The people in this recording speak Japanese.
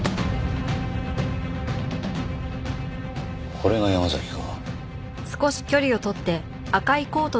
これが山崎か。